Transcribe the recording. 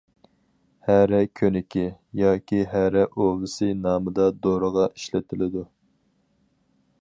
«ھەرە كۆنىكى» ياكى «ھەرە ئۇۋىسى» نامىدا دورىغا ئىشلىتىلىدۇ.